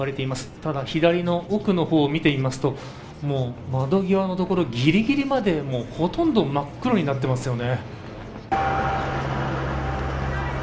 ただ、左の奥の方を見てみますと窓際のところぎりぎりまでほとんど真っ黒になっていますよね。